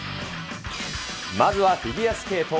まずはフィギュアスケート。